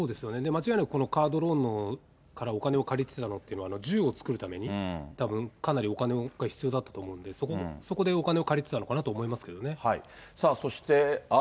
間違いなく、カードローンからお金を借りてたのというのは、銃を作るために、たぶんかなりお金が必要だったと思うんで、そこでお金を借りてたのかなと思いますけどね。